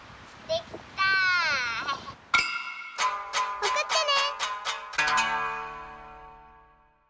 おくってね！